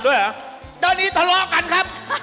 ด้านนี้ทะเลาะกันครับ